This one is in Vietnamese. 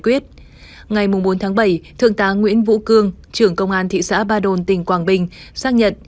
quyết ngày bốn tháng bảy thượng tá nguyễn vũ cương trưởng công an thị xã ba đồn tỉnh quảng bình xác nhận